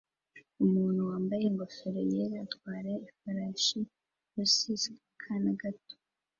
Umuntu wambaye ingofero yera atwara ifarashi lassos akana gato